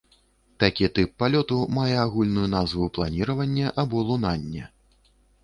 Такі тып палёту мае агульную назву планіраванне або лунанне.